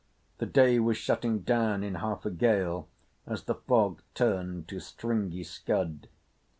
The day was shutting down in half a gale as the fog turned to stringy scud.